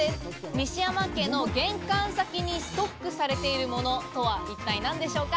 西山家の玄関先にストックされているものとは一体何でしょうか？